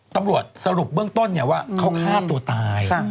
ตำรวจสรุปเบื้องต้นว่าเขาฆ่าตัวตาย